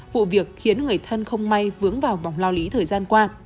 vụ việc khiến người thân không may vướng vào vòng lao lý thời gian qua